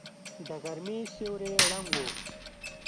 د غرمې سیوری ړنګ و.